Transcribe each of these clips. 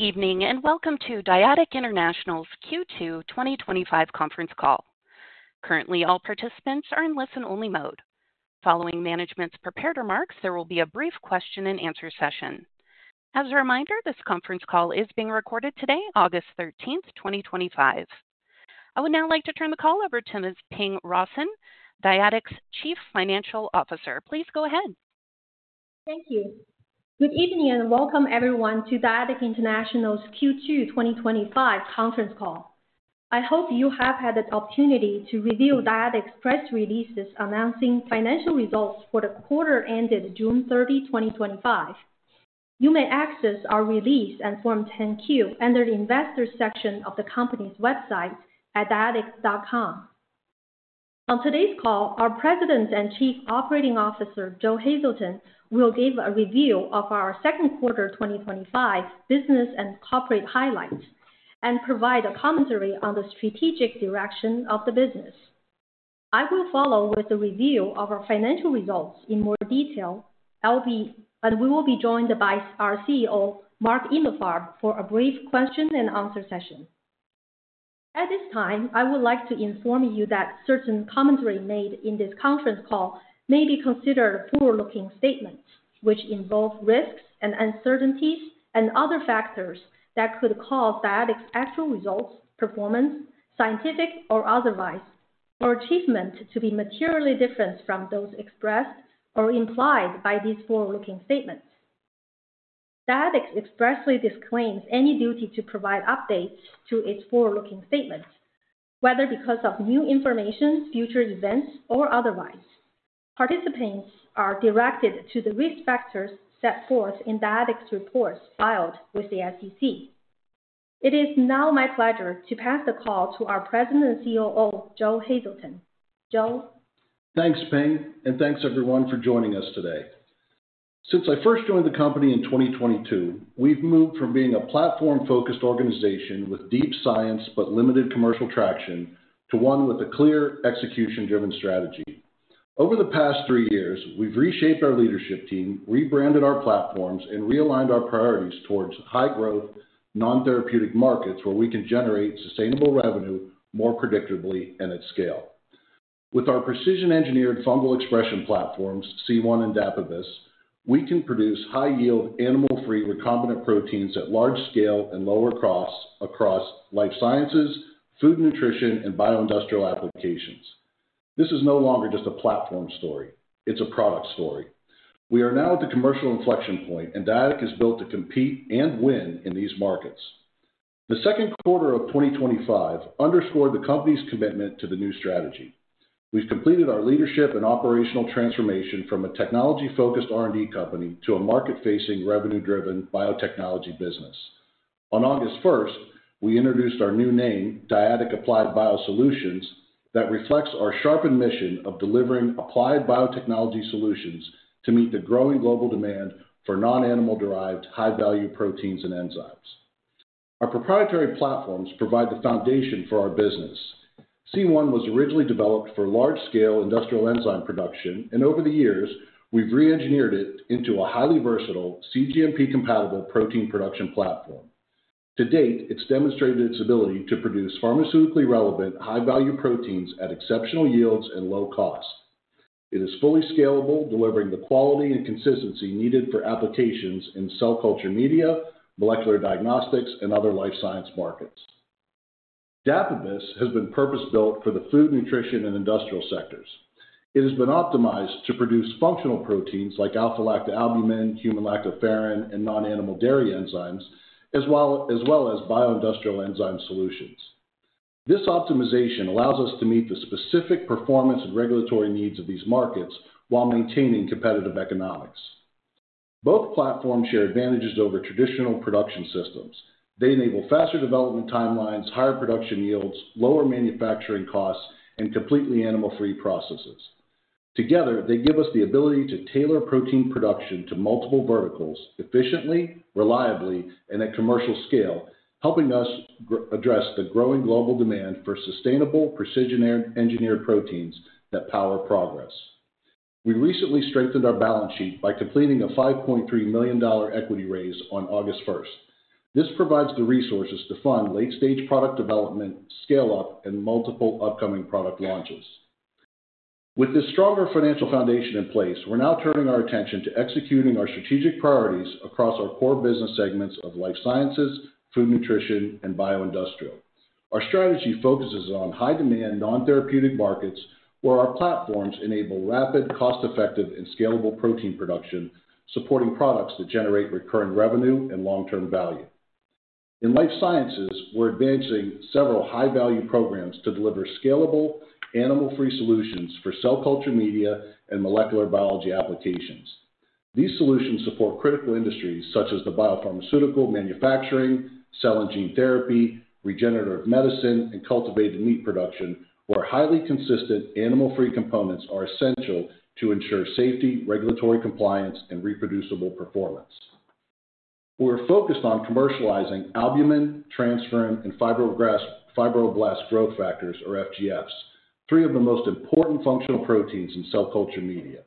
Evening and welcome to Dyadic International's Q2 2025 Conference Call. Currently, all participants are in listen-only mode. Following management's prepared remarks, there will be a brief question and answer session. As a reminder, this conference call is being recorded today, August 13, 2025. I would now like to turn the call over to Ms. Ping Rawson, Dyadic's Chief Financial Officer. Please go ahead. Thank you. Good evening and welcome everyone to Dyadic International's Q2 2025 Conference Call. I hope you have had the opportunity to review Dyadic's press releases announcing financial results for the quarter ended June 30, 2025. You may access our release and Form 10-Q under the Investors section of the company's website at dyadic.com. On today's call, our President and Chief Operating Officer, Joe Hazelton, will give a review of our second quarter 2025 business and corporate highlights and provide a commentary on the strategic direction of the business. I will follow with the review of our financial results in more detail. We will be joined by our CEO, Mark Emalfarb, for a brief question and answer session. At this time, I would like to inform you that certain commentary made in this conference call may be considered a forward-looking statement, which involves risks and uncertainties and other factors that could cause Dyadic's actual results, performance, scientific or otherwise, or achievement to be materially different from those expressed or implied by these forward-looking statements. Dyadic expressly disclaims any duty to provide updates to its forward-looking statements, whether because of new information, future events, or otherwise. Participants are directed to the risk factors set forth in Dyadic's reports filed with the SEC. It is now my pleasure to pass the call to our President and COO, Joe Hazelton. Joe. Thanks, Ping, and thanks everyone for joining us today. Since I first joined the company in 2022, we've moved from being a platform-focused organization with deep science but limited commercial traction to one with a clear execution-driven strategy. Over the past three years, we've reshaped our leadership team, rebranded our platforms, and realigned our priorities towards high-growth, non-therapeutic markets where we can generate sustainable revenue more predictably and at scale. With our precision-engineered fungal expression platforms, C1 and Dapabus, we can produce high-yield, animal-free recombinant proteins at large scale and lower costs across life sciences, food nutrition, and bioindustrial applications. This is no longer just a platform story; it's a product story. We are now at the commercial inflection point, and Dyadic is built to compete and win in these markets. The second quarter of 2025 underscored the company's commitment to the new strategy. We've completed our leadership and operational transformation from a technology-focused R&D company to a market-facing, revenue-driven biotechnology business. On August 1, we introduced our new name, Dyadic Applied Bio Solutions, that reflects our sharpened mission of delivering applied biotechnology solutions to meet the growing global demand for non-animal-derived high-value proteins and enzymes. Our proprietary platforms provide the foundation for our business. C1 was originally developed for large-scale industrial enzyme production, and over the years, we've re-engineered it into a highly versatile cGMP-compatible protein production platform. To date, it's demonstrated its ability to produce pharmaceutically relevant high-value proteins at exceptional yields and low costs. It is fully scalable, delivering the quality and consistency needed for applications in cell culture media, molecular diagnostics, and other life science markets. Dapabus has been purpose-built for the food, nutrition, and industrial sectors. It has been optimized to produce functional proteins like alpha-lactalbumin, human lactoferrin, and non-animal dairy enzymes, as well as bioindustrial enzyme solutions. This optimization allows us to meet the specific performance and regulatory needs of these markets while maintaining competitive economics. Both platforms share advantages over traditional production systems. They enable faster development timelines, higher production yields, lower manufacturing costs, and completely animal-free processes. Together, they give us the ability to tailor protein production to multiple verticals efficiently, reliably, and at commercial scale, helping us address the growing global demand for sustainable, precision-engineered proteins that power progress. We recently strengthened our balance sheet by completing a $5.3 million equity raise on August 1st. This provides the resources to fund late-stage product development, scale-up, and multiple upcoming product launches. With this stronger financial foundation in place, we're now turning our attention to executing our strategic priorities across our core business segments of life sciences, food nutrition, and bioindustrial. Our strategy focuses on high-demand non-therapeutic markets where our platforms enable rapid, cost-effective, and scalable protein production, supporting products that generate recurrent revenue and long-term value. In life sciences, we're advancing several high-value programs to deliver scalable, animal-free solutions for cell culture media and molecular biology applications. These solutions support critical industries such as biopharmaceutical manufacturing, cell and gene therapy, regenerative medicine, and cultivated meat production, where highly consistent animal-free components are essential to ensure safety, regulatory compliance, and reproducible performance. We're focused on commercializing albumin, transferrin, and fibroblast growth factors, or FGFs, three of the most important functional proteins in cell culture media.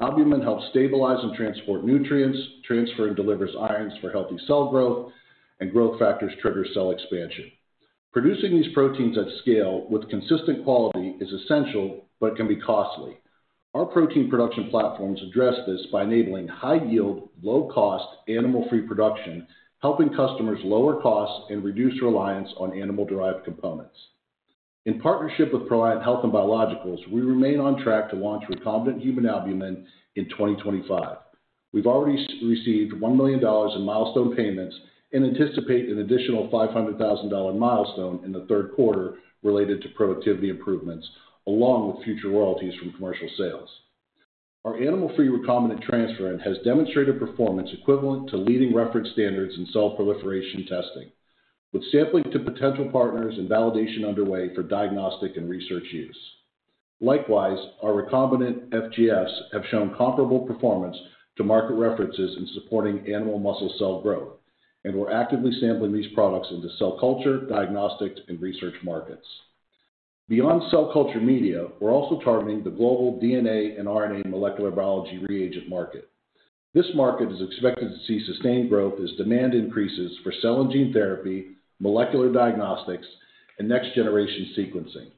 Albumin helps stabilize and transport nutrients, transferrin delivers iron for healthy cell growth, and growth factors trigger cell expansion. Producing these proteins at scale with consistent quality is essential but can be costly. Our protein production platforms address this by enabling high-yield, low-cost, animal-free production, helping customers lower costs and reduce reliance on animal-derived components. In partnership with Proliant Health & Biologicals, we remain on track to launch recombinant human albumin in 2025. We've already received $1 million in milestone payments and anticipate an additional $500,000 milestone in the third quarter related to productivity improvements, along with future royalties from commercial sales. Our animal-free recombinant transferrin has demonstrated performance equivalent to leading reference standards in cell proliferation testing, with sampling to potential partners and validation underway for diagnostic and research use. Likewise, our recombinant FGFs have shown comparable performance to market references in supporting animal muscle cell growth, and we're actively sampling these products into cell culture, diagnostic, and research markets. Beyond cell culture media, we're also targeting the global DNA and RNA molecular biology reagent market. This market is expected to see sustained growth as demand increases for cell and gene therapy, molecular diagnostics, and next-generation sequencing.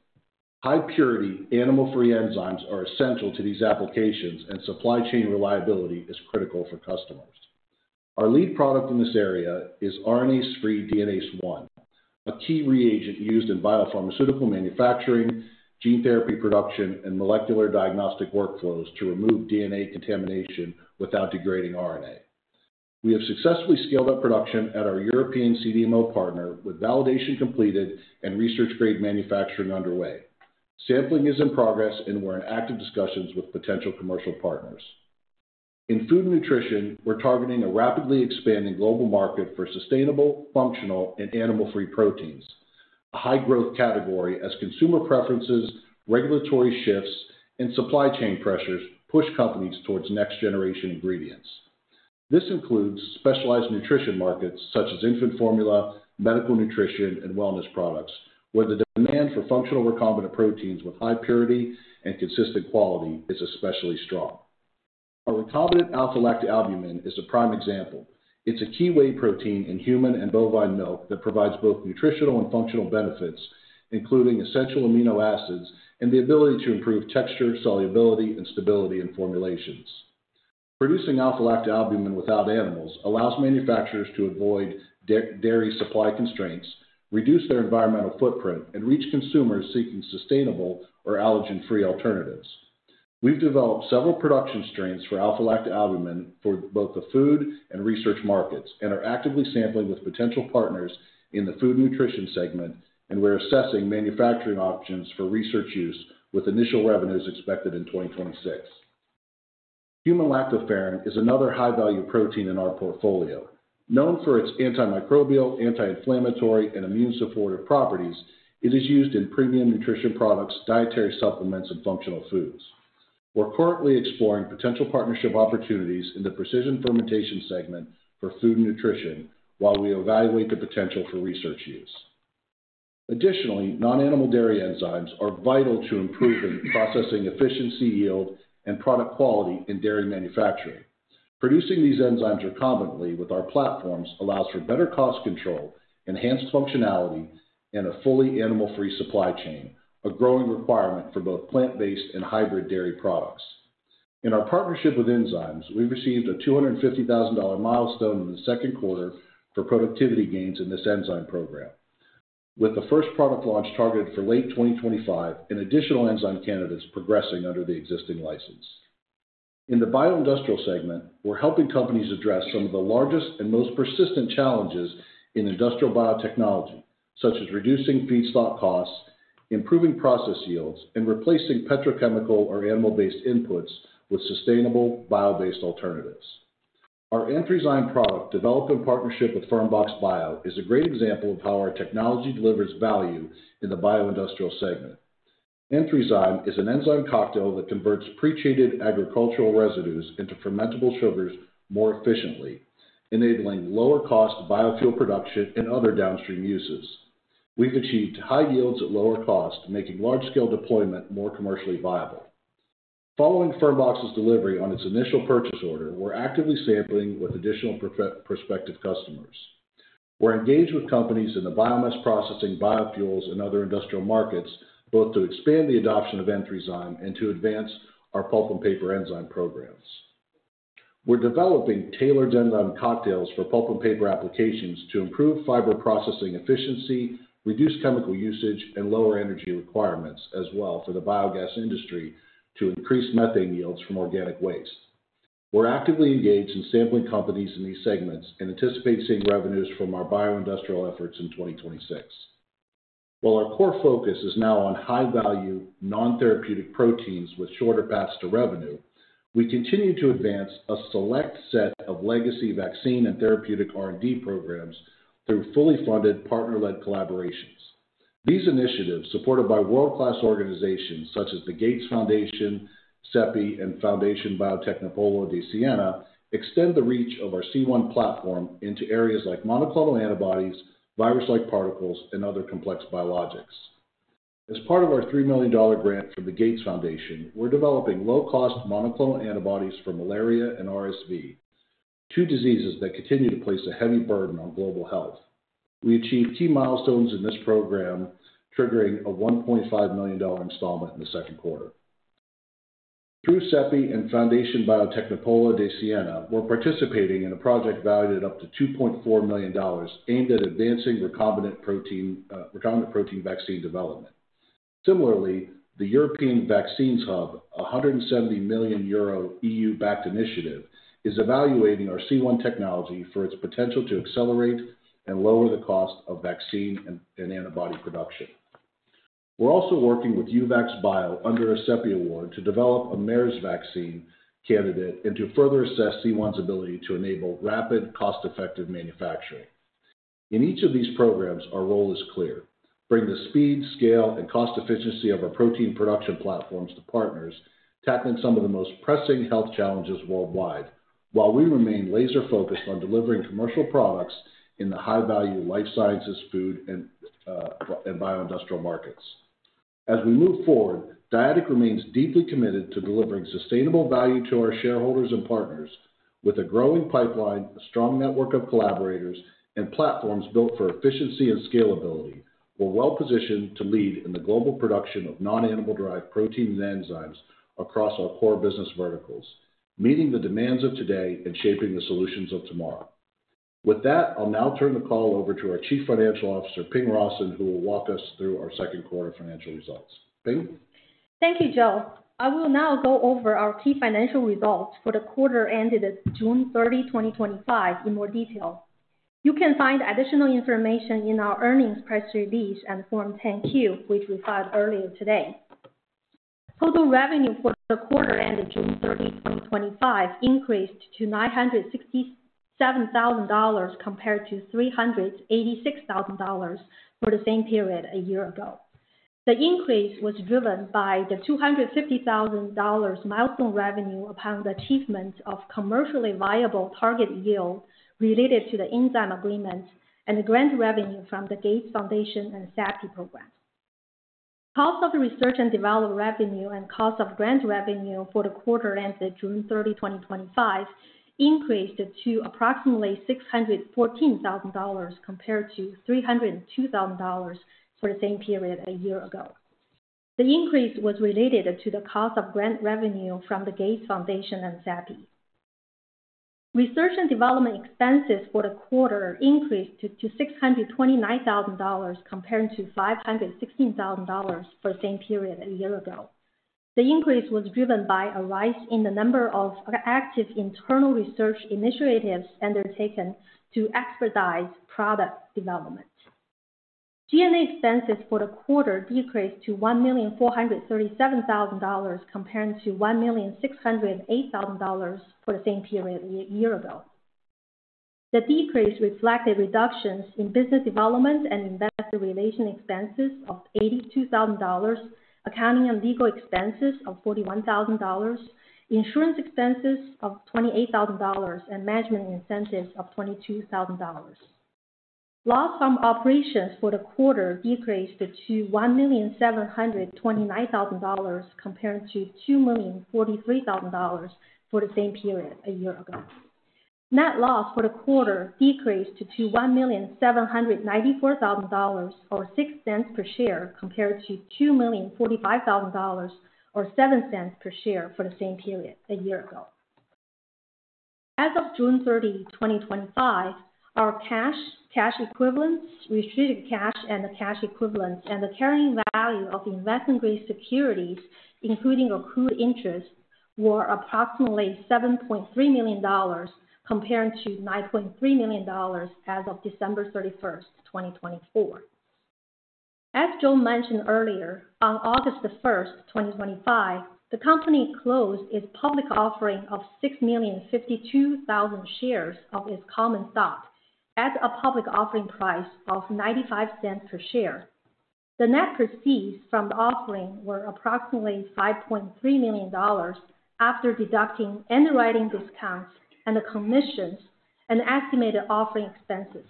High-purity, animal-free enzymes are essential to these applications, and supply chain reliability is critical for customers. Our lead product in this area is RNase-free DNase I, a key reagent used in biopharmaceutical manufacturing, gene therapy production, and molecular diagnostic workflows to remove DNA contamination without degrading RNA. We have successfully scaled up production at our European CDMO partner, with validation completed and research-grade manufacturing underway. Sampling is in progress, and we're in active discussions with potential commercial partners. In food and nutrition, we're targeting a rapidly expanding global market for sustainable, functional, and animal-free proteins, a high-growth category as consumer preferences, regulatory shifts, and supply chain pressures push companies towards next-generation ingredients. This includes specialized nutrition markets such as infant formula, medical nutrition, and wellness products, where the demand for functional recombinant proteins with high purity and consistent quality is especially strong. Our recombinant alpha-lactalbumin is a prime example. It's a key whey protein in human and bovine milk that provides both nutritional and functional benefits, including essential amino acids and the ability to improve texture, solubility, and stability in formulations. Producing alpha-lactalbumin without animals allows manufacturers to avoid dairy supply constraints, reduce their environmental footprint, and reach consumers seeking sustainable or allergen-free alternatives. We've developed several production strains for alpha-lactalbumin for both the food and research markets and are actively sampling with potential partners in the food nutrition segment, and we're assessing manufacturing options for research use with initial revenues expected in 2026. Human lactoferrin is another high-value protein in our portfolio. Known for its antimicrobial, anti-inflammatory, and immune supportive properties, it is used in premium nutrition products, dietary supplements, and functional foods. We're currently exploring potential partnership opportunities in the precision fermentation segment for food nutrition while we evaluate the potential for research use. Additionally, non-animal dairy enzymes are vital to improving processing efficiency, yield, and product quality in dairy manufacturing. Producing these enzymes recombinantly with our platforms allows for better cost control, enhanced functionality, and a fully animal-free supply chain, a growing requirement for both plant-based and hybrid dairy products. In our partnership with INZYMES, we've received a $250,000 milestone in the second quarter for productivity gains in this enzyme program. With the first product launch targeted for late 2025, an additional enzyme candidate is progressing under the existing license. In the bioindustrial segment, we're helping companies address some of the largest and most persistent challenges in industrial biotechnology, such as reducing feedstock costs, improving process yields, and replacing petrochemical or animal-based inputs with sustainable, bio-based alternatives. Our EN3ZYME product, developed in partnership with Fermbox Bio, is a great example of how our technology delivers value in the bioindustrial segment. EN3ZYME is an enzyme cocktail that converts pre-treated agricultural residues into fermentable sugars more efficiently, enabling lower cost biofuel production and other downstream uses. We've achieved high yields at lower cost, making large-scale deployment more commercially viable. Following Fermbox's delivery on its initial purchase order, we're actively sampling with additional prospective customers. We're engaged with companies in the biomass processing, biofuels, and other industrial markets, both to expand the adoption of EN3ZYME and to advance our pulp and paper enzyme programs. We're developing tailored enzyme cocktails for pulp and paper applications to improve fiber processing efficiency, reduce chemical usage, and lower energy requirements as well for the biogas industry to increase methane yields from organic waste. We're actively engaged in sampling companies in these segments and anticipate seeing revenues from our bioindustrial efforts in 2026. While our core focus is now on high-value, non-therapeutic proteins with shorter paths to revenue, we continue to advance a select set of legacy vaccine and therapeutic R&D programs through fully funded partner-led collaborations. These initiatives, supported by world-class organizations such as the Gates Foundation, CEPI, and Fondazione Biotecnopolo di Siena, extend the reach of our C1 platform into areas like monoclonal antibodies, virus-like particles, and other complex biologics. As part of our $3 million grant from the Gates Foundation, we're developing low-cost monoclonal antibodies for malaria and RSV, two diseases that continue to place a heavy burden on global health. We achieved key milestones in this program, triggering a $1.5 million installment in the second quarter. Through CEPI and Fondazione Biotecnopolo di Siena, we're participating in a project valued at up to $2.4 million aimed at advancing recombinant protein vaccine development. Similarly, the European Vaccines Hub, a 170 million euro EU-backed initiative, is evaluating our C1 technology for its potential to accelerate and lower the cost of vaccine and antibody production. We're also working with Uvax Bio under a CEPI award to develop a MERS vaccine candidate and to further assess C1's ability to enable rapid, cost-effective manufacturing. In each of these programs, our role is clear: bring the speed, scale, and cost efficiency of our protein production platforms to partners tackling some of the most pressing health challenges worldwide, while we remain laser-focused on delivering commercial products in the high-value life sciences, food, and bioindustrial markets. As we move forward, Dyadic remains deeply committed to delivering sustainable value to our shareholders and partners. With a growing pipeline, a strong network of collaborators, and platforms built for efficiency and scalability, we're well positioned to lead in the global production of non-animal-derived proteins and enzymes across our core business verticals, meeting the demands of today and shaping the solutions of tomorrow. With that, I'll now turn the call over to our Chief Financial Officer, Ping Rawson, who will walk us through our second quarter financial results. Ping? Thank you, Joe. I will now go over our key financial results for the quarter ended June 30, 2025, in more detail. You can find additional information in our earnings press release and Form 10-Q, which we filed earlier today. Total revenue for the quarter ended June 30, 2025, increased to $967,000 compared to $386,000 for the same period a year ago. The increase was driven by the $250,000 milestone revenue upon the achievement of commercially viable target yield related to the enzyme agreement and the grant revenue from the Gates Foundation and CEPI program. Cost of research and development revenue and cost of grant revenue for the quarter ended June 30, 2025, increased to approximately $614,000 compared to $302,000 for the same period a year ago. The increase was related to the cost of grant revenue from the Gates Foundation and CEPI. Research and development expenses for the quarter increased to $629,000 compared to $516,000 for the same period a year ago. The increase was driven by a rise in the number of active internal research initiatives undertaken to expedite product development. G&A expenses for the quarter decreased to $1,437,000 compared to $1,608,000 for the same period a year ago. The decrease reflected reductions in business development and investor relation expenses of $82,000, accounting and legal expenses of $41,000, insurance expenses of $28,000, and management incentives of $22,000. Loss from operations for the quarter decreased to $1,729,000 compared to $2,043,000 for the same period a year ago. Net loss for the quarter decreased to $1,794,000 or $0.06 per share compared to $2,045,000 or $0.07 per share for the same period a year ago. As of June 30, 2025, our cash, cash equivalent, restricted cash, and the cash equivalent, and the carrying value of the investment-grade securities, including accrued interest, were approximately $7.3 million compared to $9.3 million as of December 31st, 2024. As Joe mentioned earlier, on August 1st, 2025, the company closed its public offering of 6,052,000 shares of its common stock at a public offering price of $0.95 per share. The net proceeds from the offering were approximately $5.3 million after deducting underwriting discounts and the commissions and estimated offering expenses.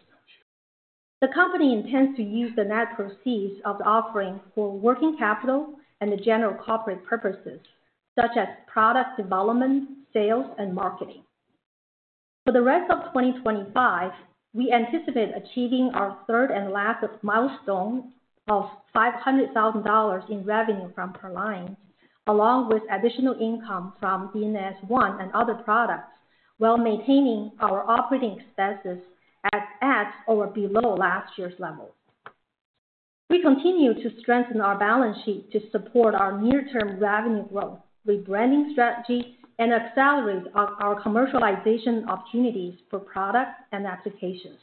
The company intends to use the net proceeds of the offering for working capital and the general corporate purposes, such as product development, sales, and marketing. For the rest of 2025, we anticipate achieving our third and last milestone of $500,000 in revenue from Proliant, along with additional income from DNase I and other products, while maintaining our operating expenses at or below last year's level. We continue to strengthen our balance sheet to support our near-term revenue growth, rebranding strategy, and accelerate our commercialization opportunities for products and applications.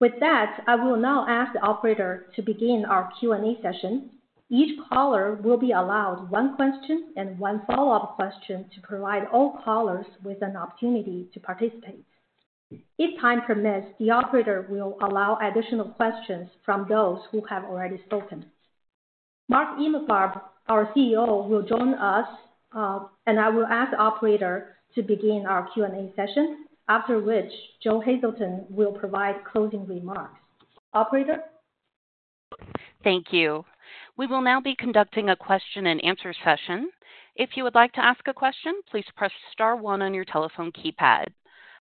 With that, I will now ask the operator to begin our Q&A session. Each caller will be allowed one question and one follow-up question to provide all callers with an opportunity to participate. If time permits, the operator will allow additional questions from those who have already spoken. Mark Emalfarb, our CEO, will join us, and I will ask the operator to begin our Q&A session, after which Joe Hazelton will provide closing remarks. Operator? Thank you. We will now be conducting a question and answer session. If you would like to ask a question, please press star one on your telephone keypad.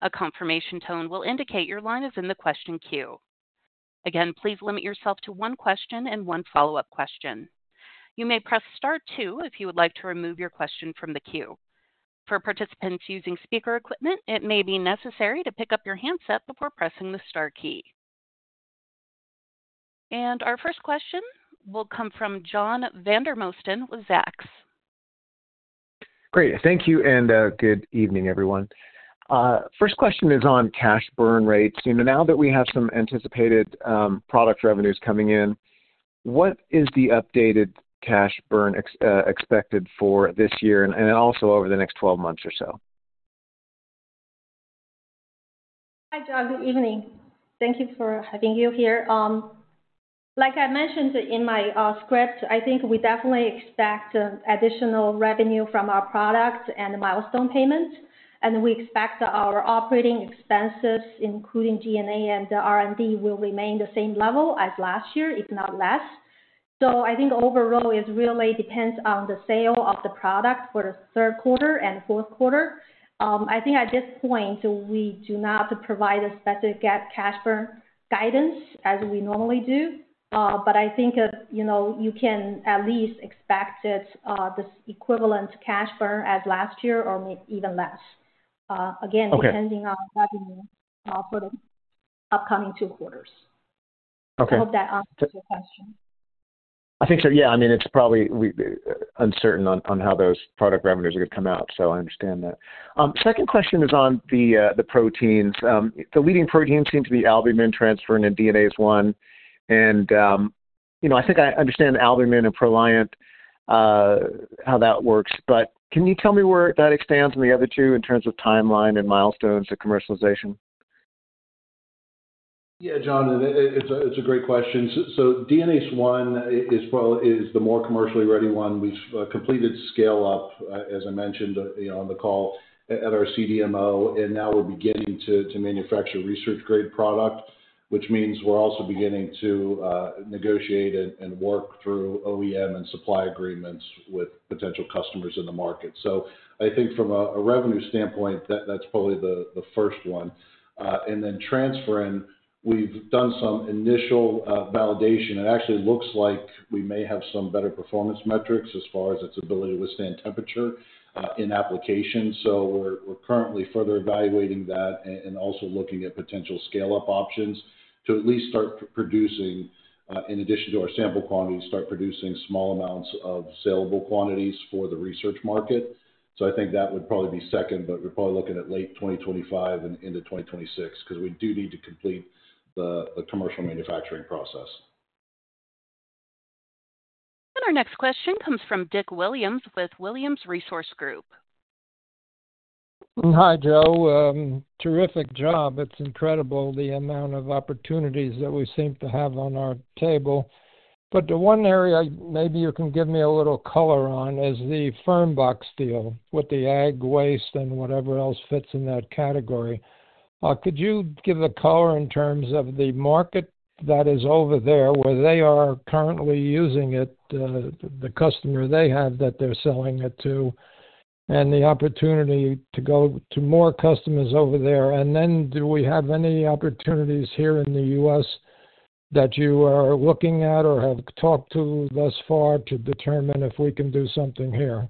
A confirmation tone will indicate your line is in the question queue. Again, please limit yourself to one question and one follow-up question. You may press star two if you would like to remove your question from the queue. For participants using speaker equipment, it may be necessary to pick up your handset before pressing the star key. Our first question will come from John Vandermosten with Zacks. Great. Thank you and good evening, everyone. First question is on cash burn rates. Now that we have some anticipated product revenues coming in, what is the updated cash burn expected for this year and also over the next 12 months or so? Hi, John. Good evening. Thank you for having me here. Like I mentioned in my script, I think we definitely expect additional revenue from our products and milestone payments, and we expect our operating expenses, including G&A and R&D, will remain the same level as last year, if not less. I think overall, it really depends on the sale of the product for the third quarter and the fourth quarter. At this point, we do not provide a specific cash burn guidance as we normally do, but I think you can at least expect this equivalent cash burn as last year or maybe even less, again, depending on revenue for the upcoming two quarters. Okay. I hope that answers your question. I think so, yeah. I mean, it's probably uncertain on how those product revenues are going to come out, so I understand that. Second question is on the proteins. The leading proteins seem to be albumin, transferrin, and DNase I. I think I understand albumin and Proliant, how that works, but can you tell me where Dyadic stands in the other two in terms of timeline and milestones of commercialization? Yeah, John, and it's a great question. DNase I is the more commercially ready one. We've completed scale-up, as I mentioned on the call, at our CDMO, and now we're beginning to manufacture a research-grade product, which means we're also beginning to negotiate and work through OEM and supply agreements with potential customers in the market. I think from a revenue standpoint, that's probably the first one. Transferrin, we've done some initial validation. It actually looks like we may have some better performance metrics as far as its ability to withstand temperature in application. We're currently further evaluating that and also looking at potential scale-up options to at least start producing, in addition to our sample quantities, small amounts of saleable quantities for the research market. I think that would probably be second, but we're probably looking at late 2025 and into 2026 because we do need to complete the commercial manufacturing process. Our next question comes from Dick Williams with Williams Resource Group. Hi, Joe. Terrific job. It's incredible, the amount of opportunities that we seem to have on our table. The one area maybe you can give me a little color on is the Fermbox deal with the Ag waste and whatever else fits in that category. Could you give the color in terms of the market that is over there where they are currently using it, the customer they have that they're selling it to, and the opportunity to go to more customers over there? Do we have any opportunities here in the U.S. that you are looking at or have talked to thus far to determine if we can do something here?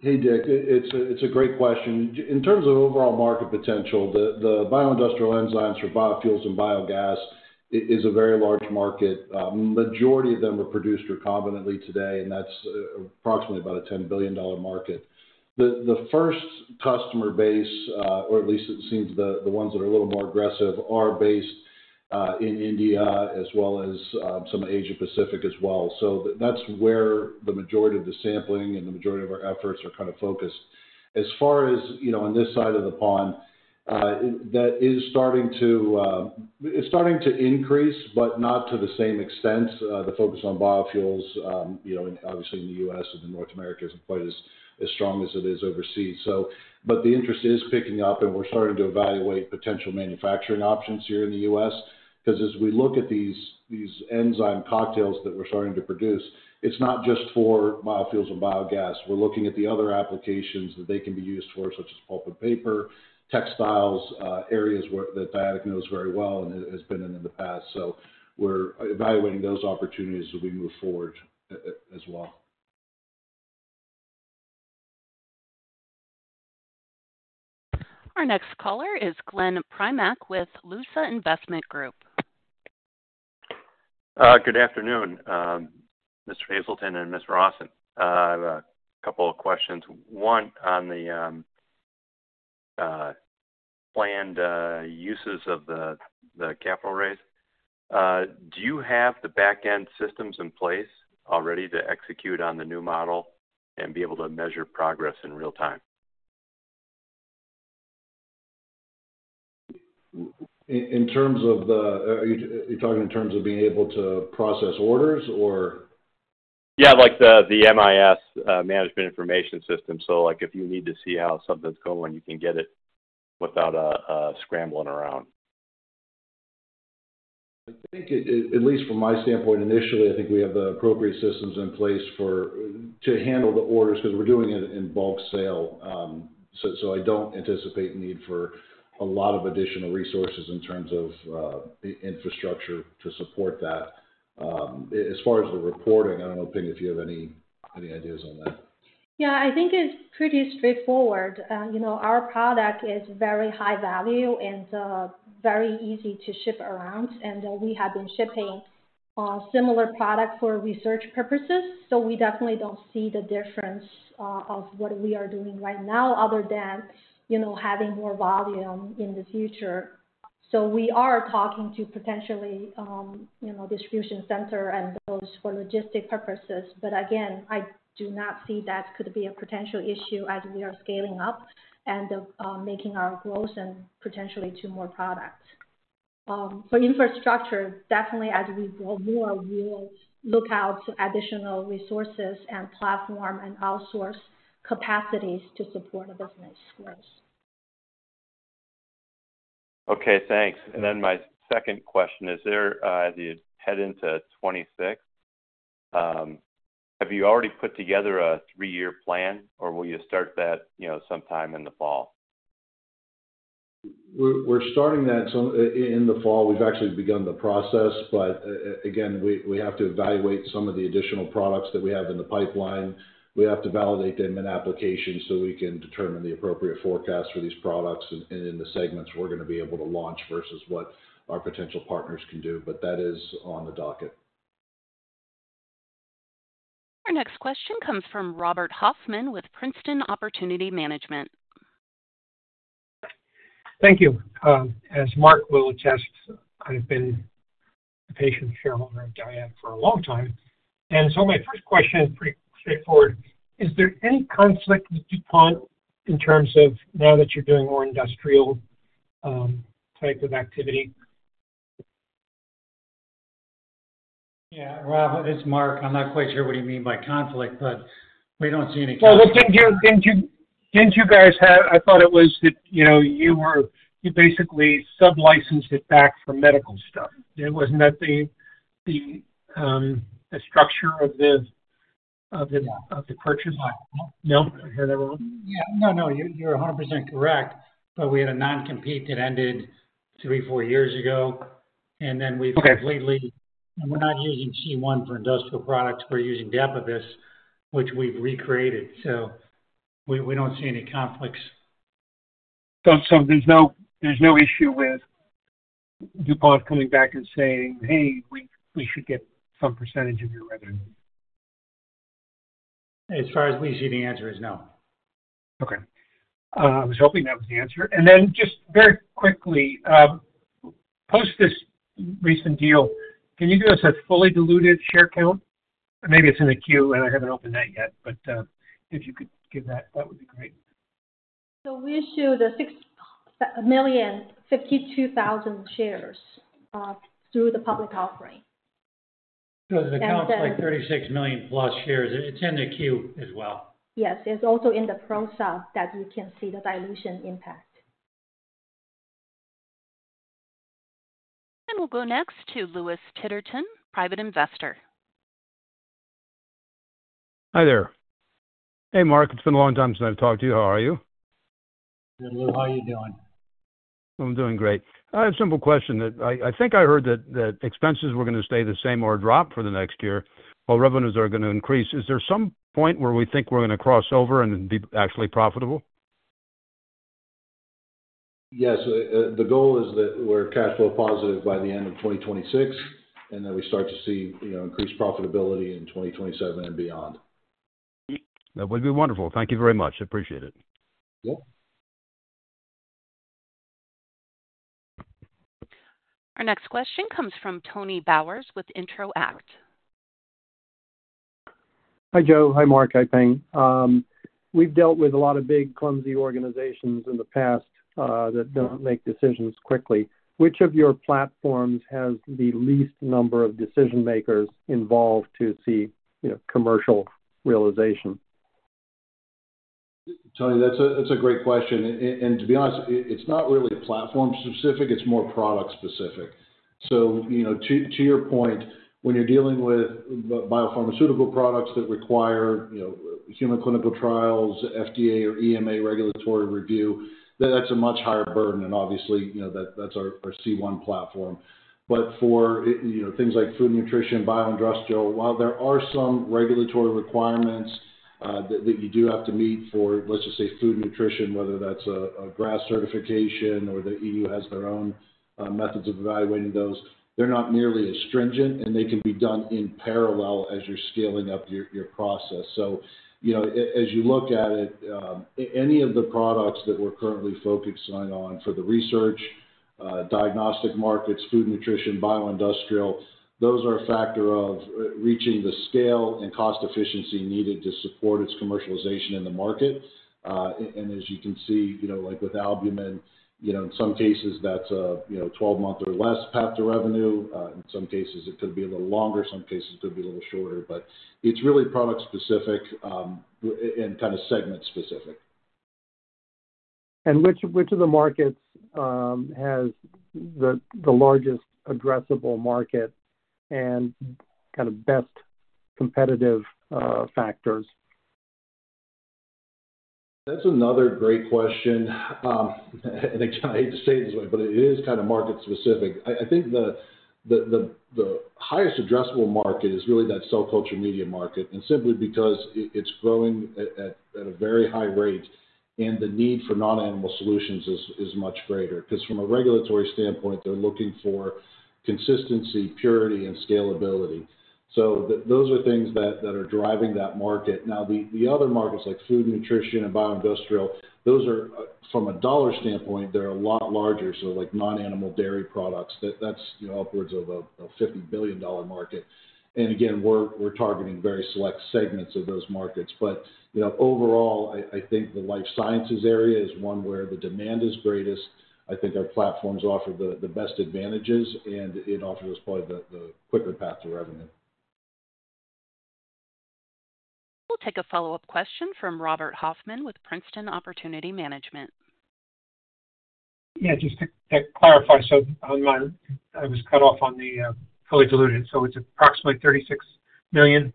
Hey, Dick. It's a great question. In terms of overall market potential, the bioindustrial enzymes for biofuels and biogas is a very large market. The majority of them are produced recombinantly today, and that's approximately about a $10 billion market. The first customer base, or at least it seems the ones that are a little more aggressive, are based in India as well as some Asia-Pacific as well. That's where the majority of the sampling and the majority of our efforts are kind of focused. As far as on this side of the pond, that is starting to increase, but not to the same extent. The focus on biofuels, obviously in the U.S. and in North America, isn't quite as strong as it is overseas. The interest is picking up, and we're starting to evaluate potential manufacturing options here in the U.S. because as we look at these enzyme cocktails that we're starting to produce, it's not just for biofuels and biogas. We're looking at the other applications that they can be used for, such as pulp and paper, textiles, areas that Dyadic knows very well and has been in in the past. We're evaluating those opportunities as we move forward as well. Our next caller is Glenn Primack with Lusa Investment Group. Good afternoon, Mr. Hazelton and Ms. Rawson. I have a couple of questions. One on the planned uses of the capital raise. Do you have the backend systems in place already to execute on the new model and be able to measure progress in real time? Are you talking in terms of being able to process orders or? Yeah, like the MIS, management information system. If you need to see how something's going, you can get it without scrambling around. I think at least from my standpoint, initially, I think we have the appropriate systems in place to handle the orders because we're doing it in bulk sale. I don't anticipate the need for a lot of additional resources in terms of the infrastructure to support that. As far as the reporting, I don't know, Ping, if you have any ideas on that. Yeah, I think it's pretty straightforward. You know, our product is very high value and very easy to ship around. We have been shipping a similar product for research purposes. We definitely don't see the difference of what we are doing right now other than, you know, having more volume in the future. We are talking to potentially, you know, distribution centers and those for logistic purposes. Again, I do not see that could be a potential issue as we are scaling up and making our growth and potentially to more products. For infrastructure, definitely, as we grow more, we will look out for additional resources and platform and outsource capacities to support the business growth. Okay, thanks. As you head into 2026, have you already put together a three-year plan, or will you start that sometime in the fall? We're starting that in the fall. We've actually begun the process. We have to evaluate some of the additional products that we have in the pipeline. We have to validate them in application so we can determine the appropriate forecast for these products and in the segments we're going to be able to launch versus what our potential partners can do. That is on the docket. Our next question comes from Robert Hoffman with Princeton OPportunity Management. Thank you. As Mark will attest, I've been the patient shareholder at Dyadic for a long time. My first question is pretty straightforward. Is there any conflict that you find in terms of now that you're doing more industrial type of activity? Yeah, Rob, it is Mark. I'm not quite sure what you mean by conflict, but we don't see any conflict. Didn't you guys have, I thought it was that, you know, you basically sub-licensed it back for medical studies. Wasn't that the structure of the purchase? No, you're 100% correct. We had a non-compete that ended three or four years ago. Lately, we're not using the C1 platform for industrial products. We're using the Dapabus platform, which we've recreated. We don't see any conflicts. There's no issue with DuPont coming back and saying, "Hey, we should get some % of your revenue"? As far as we see, the answer is no. Okay. I was hoping that was the answer. Just very quickly, post this recent deal, can you give us a fully diluted share count? Maybe it's in the queue and I haven't opened that yet. If you could give that, that would be great. We issued $6,052,000 shares through the public offering. The count's like 36 million+ shares. It's in the queue as well. Yes, it's also in the process that we can see the dilution impact. I will go next to Louis Titterton, private investor. Hi there. Hey, Mark. It's been a long time since I've talked to you. How are you? Good, Lou. How are you doing? I'm doing great. I have a simple question that I think I heard that expenses were going to stay the same or drop for the next year, while revenues are going to increase. Is there some point where we think we're going to cross over and be actually profitable? Yeah, the goal is that we're cash flow positive by the end of 2026, and then we start to see increased profitability in 2027 and beyond. That would be wonderful. Thank you very much. I appreciate it. Our next question comes from Tony Bowers with Intro-Act. Hi, Joe. Hi, Mark. Hi, Ping. We've dealt with a lot of big, clumsy organizations in the past that don't make decisions quickly. Which of your platforms has the least number of decision-makers involved to see, you know, commercial realization? Tony, that's a great question. To be honest, it's not really platform-specific. It's more product-specific. To your point, when you're dealing with biopharmaceutical products that require human clinical trials, FDA or EMA regulatory review, that's a much higher burden. Obviously, that's our C1 platform. For things like food nutrition, bioindustrial, while there are some regulatory requirements that you do have to meet for, let's just say, food nutrition, whether that's a GRAS certification or the EU has their own methods of evaluating those, they're not nearly as stringent, and they can be done in parallel as you're scaling up your process. As you look at it, any of the products that we're currently focusing on for the research, diagnostic markets, food nutrition, bioindustrial, those are a factor of reaching the scale and cost efficiency needed to support its commercialization in the market. As you can see, like with albumin, in some cases, that's a 12-month or less path to revenue. In some cases, it could be a little longer. Some cases, it could be a little shorter. It's really product-specific and kind of segment-specific. Which of the markets has the largest addressable market and kind of best competitive factors? That's another great question. I hate to say it this way, but it is kind of market-specific. I think the highest addressable market is really that cell culture media market, simply because it's growing at a very high rate and the need for non-animal solutions is much greater. From a regulatory standpoint, they're looking for consistency, purity, and scalability. Those are things that are driving that market. The other markets like food nutrition and bioindustrial, from a dollar standpoint, they're a lot larger. Non-animal dairy products, that's upwards of a $50 billion market. We're targeting very select segments of those markets. Overall, I think the life sciences area is one where the demand is greatest. I think our platforms offer the best advantages, and it offers us probably the quicker path to revenue. We'll take a follow-up question from Robert Hoffman with Princeton OPportunity Management. Yeah, just to clarify, on my, I was cut off on the fully diluted. It's approximately $36 million?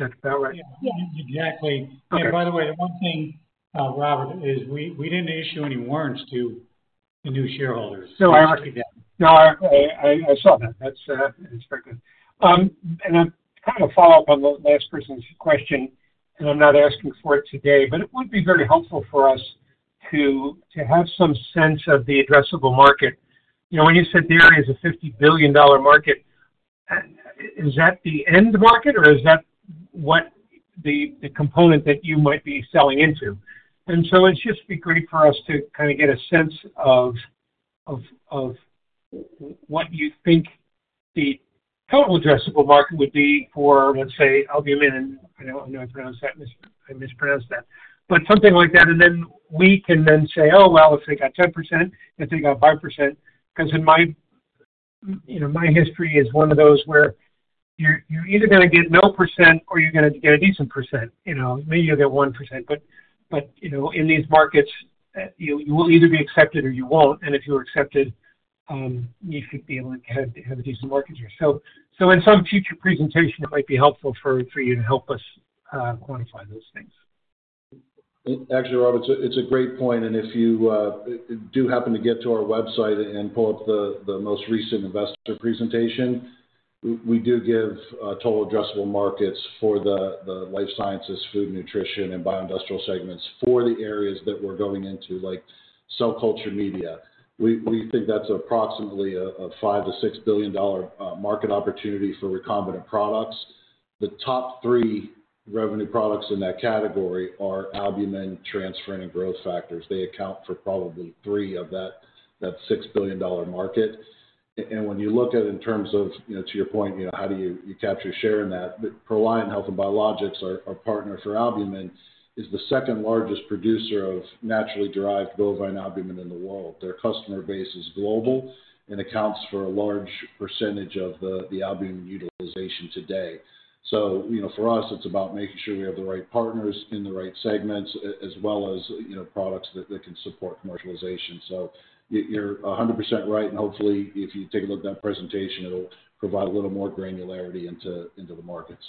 That's about right? Yeah. Exactly. By the way, the one thing, Robert, is we didn't issue any warrants to the new shareholders. I asked you that. No, I saw that. That's very good. I'm trying to follow up on the last person's question, and I'm not asking for it today, but it would be very helpful for us to have some sense of the addressable market. When you said the area is a $50 billion market, is that the end market, or is that the component that you might be selling into? It would be great for us to get a sense of what you think the total addressable market would be for, let's say, recombinant human albumin, and I know I mispronounced that. Something like that. Then we can say, "Oh, if they got 10%, if they got 5%," because in my history, it's one of those where you're either going to get 0% or you're going to get a decent percent. Maybe you'll get 1%. In these markets, you will either be accepted or you won't. If you're accepted, you should be able to have a decent market share. In some future presentation, it might be helpful for you to help us quantify those things. Actually, Robert, it's a great point. If you do happen to get to our website and pull up the most recent investor presentation, we do give total addressable markets for the life sciences, food nutrition, and bioindustrial segments for the areas that we're going into, like cell culture media. We think that's approximately a $5 billion-$6 billion market opportunity for recombinant products. The top three revenue products in that category are albumin, transferrin, and growth factors. They account for probably $3 billion of that $6 billion market. When you look at it in terms of, you know, to your point, how do you capture share in that? Proliant Health & Biologicals, our partner for albumin, is the second largest producer of naturally derived bovine albumin in the world. Their customer base is global and accounts for a large percentage of the albumin utilization today. For us, it's about making sure we have the right partners in the right segments, as well as products that can support commercialization. You're 100% right. Hopefully, if you take a look at that presentation, it'll provide a little more granularity into the markets.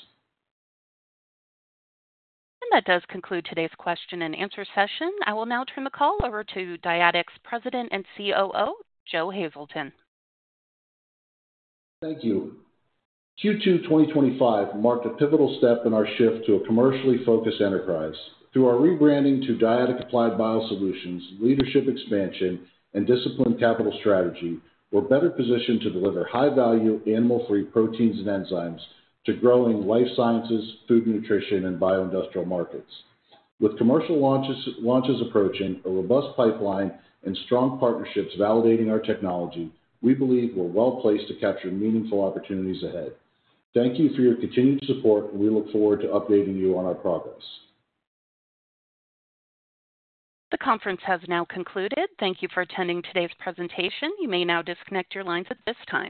That does conclude today's question and answer session. I will now turn the call over to Dyadic's President and COO, Joe Hazelton. Thank you. Q2 2025 marked a pivotal step in our shift to a commercially focused enterprise. Through our rebranding to Dyadic Applied BioSolutions, leadership expansion, and disciplined capital strategy, we're better positioned to deliver high-value animal-free proteins and enzymes to growing life sciences, food nutrition, and bioindustrial markets. With commercial launches approaching, a robust pipeline, and strong partnerships validating our technology, we believe we're well placed to capture meaningful opportunities ahead. Thank you for your continued support, and we look forward to updating you on our progress. The conference has now concluded. Thank you for attending today's presentation. You may now disconnect your lines at this time.